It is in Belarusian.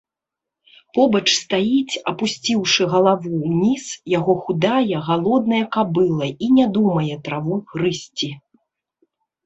Побач стаіць, апусціўшы галаву ўніз, яго худая галодная кабыла і не думае траву грызці.